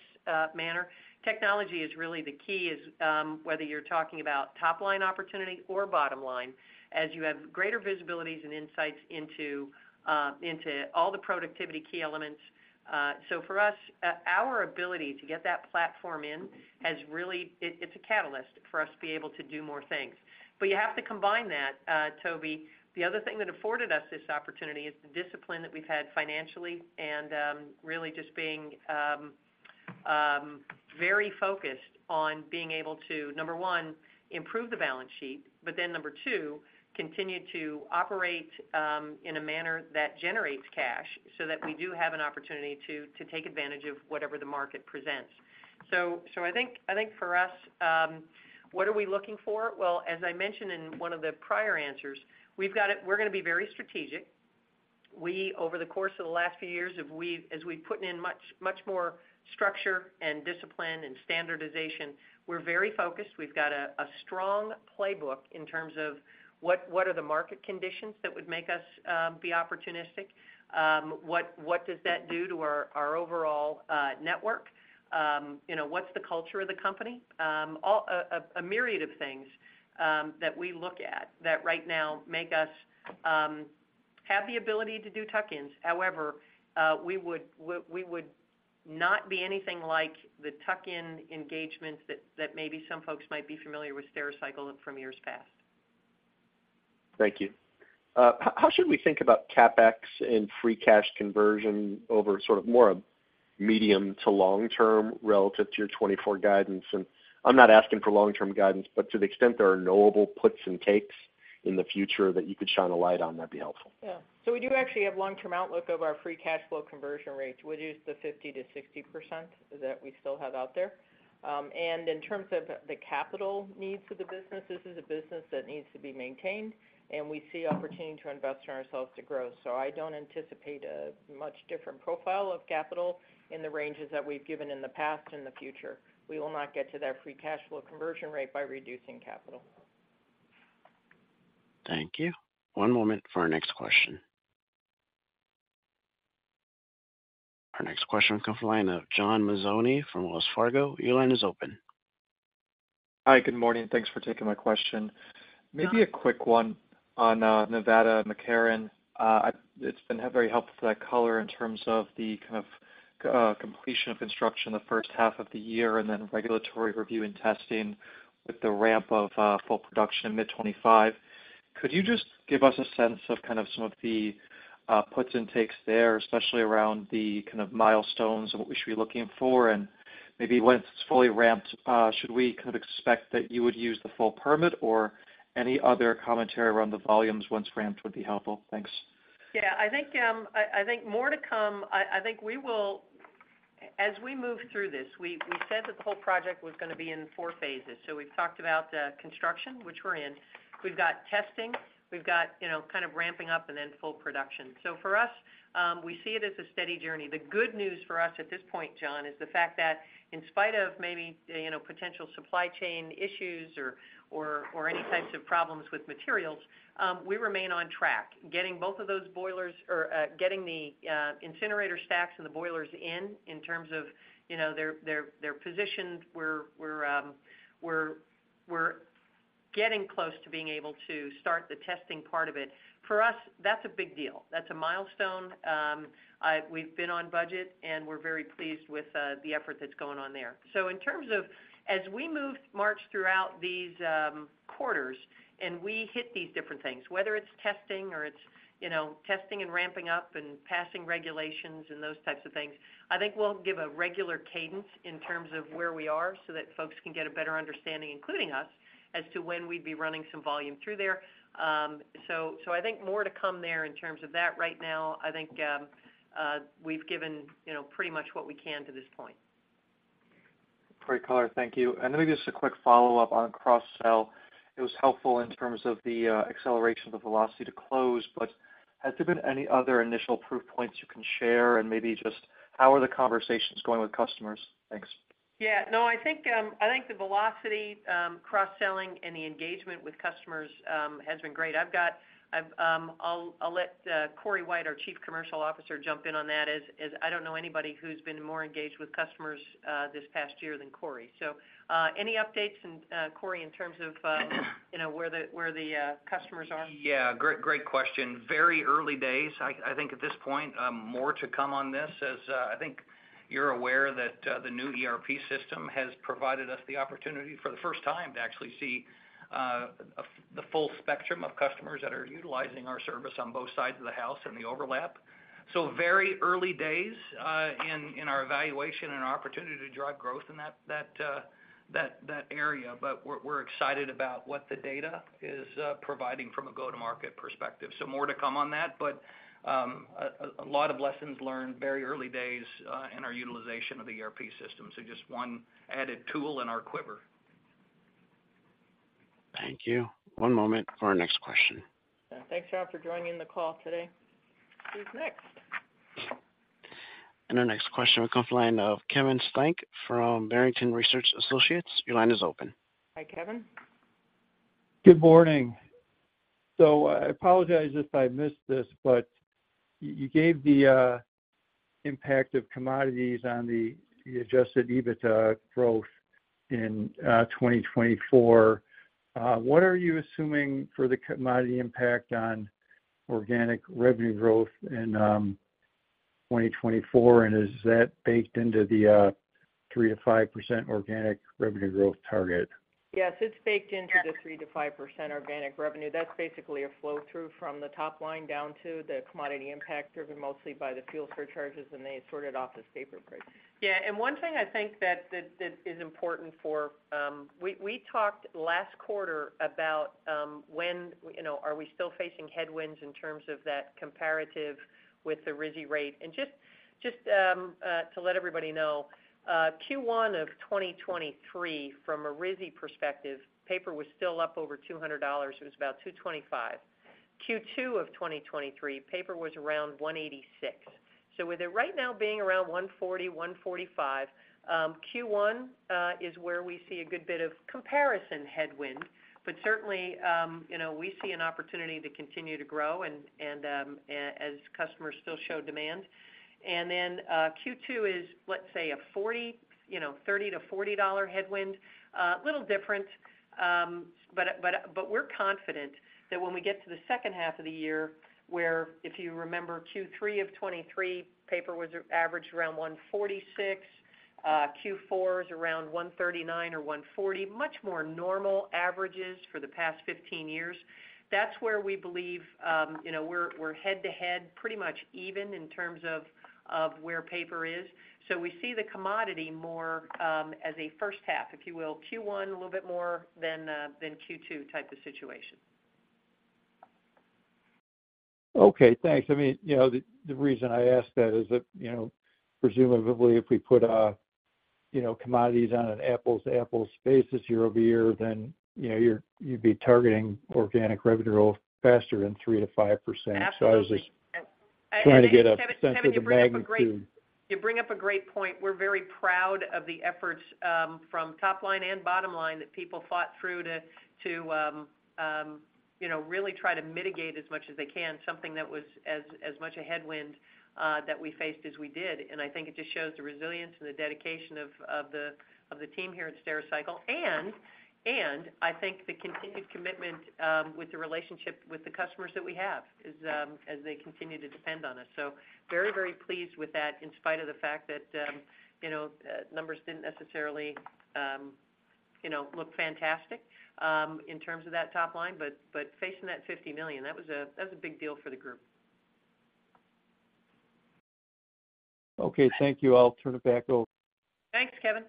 manner. Technology is really the key, whether you're talking about top line opportunity or bottom line, as you have greater visibilities and insights into all the productivity key elements. So for us, our ability to get that platform in has really, it's a catalyst for us to be able to do more things. But you have to combine that, Toby. The other thing that afforded us this opportunity is the discipline that we've had financially and really just being very focused on being able to, number one, improve the balance sheet, but then number two, continue to operate in a manner that generates cash so that we do have an opportunity to take advantage of whatever the market presents. So I think for us, what are we looking for? Well, as I mentioned in one of the prior answers, we're going to be very strategic. Over the course of the last few years, as we've put in much more structure and discipline and standardization, we're very focused. We've got a strong playbook in terms of what are the market conditions that would make us be opportunistic, what does that do to our overall network, what's the culture of the company, a myriad of things that we look at that right now make us have the ability to do tuck-ins. However, we would not be anything like the tuck-in engagements that maybe some folks might be familiar with Stericycle from years past. Thank you. How should we think about CapEx and free cash conversion over sort of more of medium to long-term relative to your 2024 guidance? And I'm not asking for long-term guidance, but to the extent there are knowable puts and takes in the future that you could shine a light on, that'd be helpful. Yeah. So we do actually have long-term outlook of our free cash flow conversion rate, which is the 50%-60% that we still have out there. And in terms of the capital needs of the business, this is a business that needs to be maintained, and we see opportunity to invest in ourselves to grow. So I don't anticipate a much different profile of capital in the ranges that we've given in the past and the future. We will not get to that free cash flow conversion rate by reducing capital. Thank you. One moment for our next question. Our next question comes from the line of John Mazzoni from Wells Fargo. Your line is open. Hi. Good morning. Thanks for taking my question. Maybe a quick one on McCarran, Nevada. It's been very helpful for that color in terms of the kind of completion of construction the first half of the year and then regulatory review and testing with the ramp of full production in mid-2025. Could you just give us a sense of kind of some of the puts and takes there, especially around the kind of milestones of what we should be looking for? And maybe once it's fully ramped, should we kind of expect that you would use the full permit, or any other commentary around the volumes once ramped would be helpful? Thanks. Yeah. I think more to come. I think we will as we move through this, we said that the whole project was going to be in four phases. So we've talked about construction, which we're in. We've got testing. We've got kind of ramping up and then full production. For us, we see it as a steady journey. The good news for us at this point, John, is the fact that in spite of maybe potential supply chain issues or any types of problems with materials, we remain on track getting both of those boilers or getting the incinerator stacks and the boilers in terms of they're positioned. We're getting close to being able to start the testing part of it. For us, that's a big deal. That's a milestone. We've been on budget, and we're very pleased with the effort that's going on there. So, in terms of as we move March throughout these quarters and we hit these different things, whether it's testing or it's testing and ramping up and passing regulations and those types of things, I think we'll give a regular cadence in terms of where we are so that folks can get a better understanding, including us, as to when we'd be running some volume through there. So I think more to come there in terms of that. Right now, I think we've given pretty much what we can to this point. Great color. Thank you. And maybe just a quick follow-up on cross-sell. It was helpful in terms of the acceleration of the velocity to close. But has there been any other initial proof points you can share? And maybe just how are the conversations going with customers? Thanks. Yeah. No. I think the velocity, cross-selling, and the engagement with customers has been great. I'll let Cory White, our Chief Commercial Officer, jump in on that, as I don't know anybody who's been more engaged with customers this past year than Cory. So any updates, Cory, in terms of where the customers are? Yeah. Great question. Very early days. I think at this point, more to come on this, as I think you're aware that the new ERP system has provided us the opportunity for the first time to actually see the full spectrum of customers that are utilizing our service on both sides of the house and the overlap. So very early days in our evaluation and our opportunity to drive growth in that area. But we're excited about what the data is providing from a go-to-market perspective. So more to come on that, but a lot of lessons learned very early days in our utilization of the ERP system. So just one added tool in our quiver. Thank you. One moment for our next question. Thanks John for joining the call today. Who's next? And our next question comes from the line of Kevin Steinke from Barrington Research Associates. Your line is open. Good morning. So I apologize if I missed this, but you gave the impact of commodities on the Adjusted EBITDA growth in 2024. What are you assuming for the commodity impact on organic revenue growth in 2024, and is that baked into the 3%-5% organic revenue growth target? Yes. It's baked into the 3%-5% organic revenue. That's basically a flow-through from the top line down to the commodity impact driven mostly by the fuel surcharges, and they sort it off as paper prices. Yeah. One thing I think that is important for we talked last quarter about when are we still facing headwinds in terms of that comparative with the RISI rate. And just to let everybody know, Q1 of 2023, from a RISI perspective, paper was still up over $200. It was about 225. Q2 of 2023, paper was around 186. So with it right now being around 140-145, Q1 is where we see a good bit of comparison headwind. But certainly, we see an opportunity to continue to grow as customers still show demand. And then Q2 is, let's say, a $30-$40 headwind, a little different. But we're confident that when we get to the second half of the year, where if you remember, Q3 of 2023, paper was averaged around 146. Q4 is around 139 or 140, much more normal averages for the past 15 years. That's where we believe we're head-to-head pretty much even in terms of where paper is. So we see the commodity more as a first half, if you will, Q1 a little bit more than Q2 type of situation. Okay. Thanks. I mean, the reason I ask that is that presumably, if we put commodities on an apples-to-apples basis year-over-year, then you'd be targeting organic revenue growth faster in 3%-5%. So I was just trying to get a sense of the magnitude. Absolutely. You bring up a great point. We're very proud of the efforts from top line and bottom line that people fought through to really try to mitigate as much as they can something that was as much a headwind that we faced as we did. I think it just shows the resilience and the dedication of the team here at Stericycle. I think the continued commitment with the relationship with the customers that we have as they continue to depend on us. So very, very pleased with that in spite of the fact that numbers didn't necessarily look fantastic in terms of that top line. Facing that $50 million, that was a big deal for the group. Okay. Thank you. I'll turn it back over. Thanks, Kevin.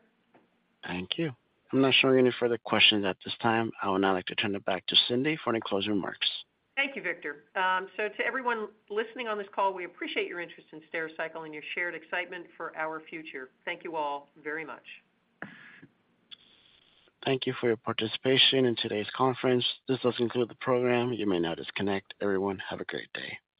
Thank you. I'm not showing any further questions at this time. I would now like to turn it back to Cindy for any closing remarks. Thank you, Victor. To everyone listening on this call, we appreciate your interest in Stericycle and your shared excitement for our future. Thank you all very much. Thank you for your participation in today's conference. This does conclude the program. You may now disconnect. Everyone, have a great day.